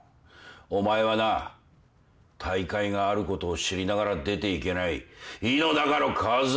お前はな大海があることを知りながら出ていけない井の中の蛙だ。